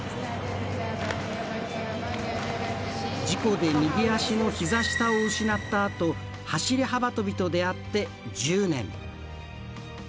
事故で右足のひざ下を失ったあと走り幅跳びと出会って１０年。